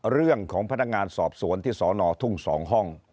เรื่องของพนักงานสอบสวนที่สอนอทุ่ง๒ห้อง